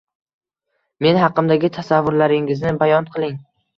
Men haqimdagi tasavvurlaringizni bayon qiliing.